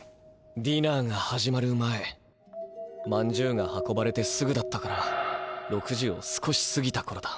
ディナーが始まる前まんじゅうが運ばれてすぐだったから６時を少しすぎたころだ。